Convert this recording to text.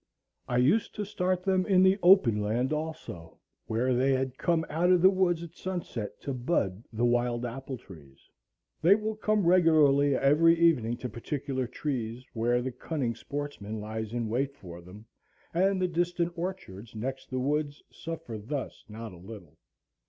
I used to start them in the open land also, where they had come out of the woods at sunset to "bud" the wild apple trees. They will come regularly every evening to particular trees, where the cunning sportsman lies in wait for them, and the distant orchards next the woods suffer thus not a little.